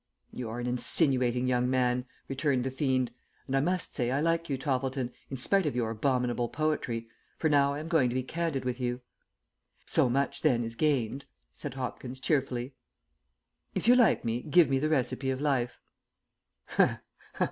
"You are an insinuating young man," returned the fiend. "And I must say I like you, Toppleton, in spite of your abominable poetry, for now I am going to be candid with you." "So much, then, is gained," said Hopkins, cheerfully. "If you like me, give me the recipe of life."